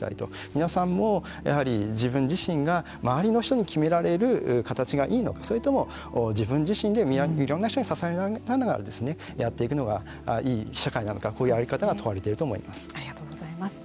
皆さんもやはり自分自身が周りの人に決められる形がいいのかそれとも自分自身でいろんな人に支えられながらやっていくのがいい社会なのかこういう在り方がありがとうございます。